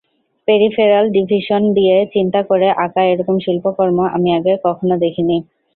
Peripheral vision দিয়ে চিন্তা করে আঁকা এরকম শিল্পকর্ম আমি আগে কখন দেখিনি।